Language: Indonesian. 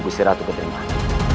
kusir ratu ketimbang